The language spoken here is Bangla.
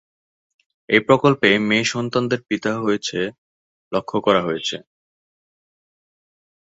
এই প্রকল্পে মেয়ে সন্তানদের পিতা-হয়েছেলক্ষ্য করা হয়েছে।